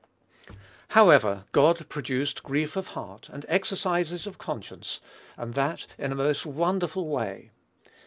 6.) However, God produced grief of heart, and exercises of conscience, and that in a most wonderful way.